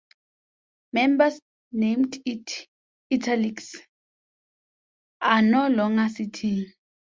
Members named in "italics" are no longer sitting.